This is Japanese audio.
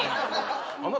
あなた。